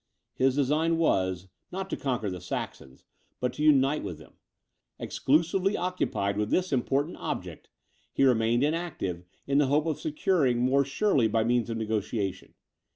His design was, not to conquer the Saxons, but to unite with them. Exclusively occupied with this important object, he remained inactive in the hope of conquering more surely by means of negociation.